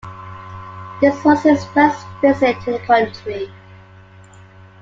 This was his first visit to the country.